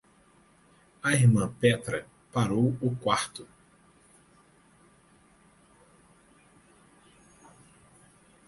A irmã Petra parou o quarto.